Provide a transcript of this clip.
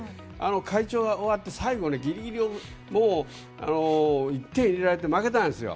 会長が終わって最後にギリギリで１点入れられて負けたんですよ。